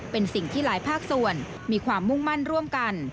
เป็นสิ่งที่หลายภาคส่วนมีความมุ่งมั่นร่วมกัน